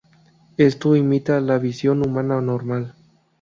Esto imita la visión humana normal.